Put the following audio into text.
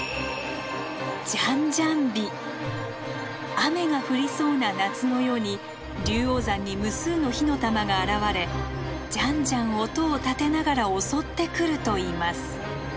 雨が降りそうな夏の夜に龍王山に無数の火の玉が現れじゃんじゃん音を立てながら襲ってくるといいます。